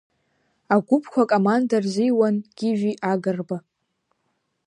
Агәыԥқәа акоманда рзиуан Гиви Агрба.